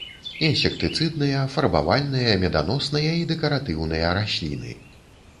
Інсектыцыдныя, фарбавальныя, меданосныя і дэкаратыўныя расліны.